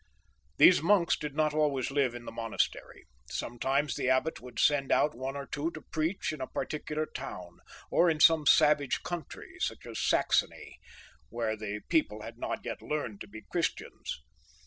These monks did not always live in the monastery ; sometimes the abbot would send out one or two to preach in a particular town, or in some savage country, such as Saxony, where the people had not yet learned to be Christians.